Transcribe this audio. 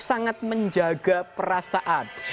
sangat menjaga perasaan